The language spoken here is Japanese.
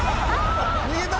逃げたぞ。